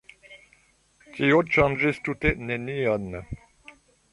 Tio ŝanĝis tute nenion.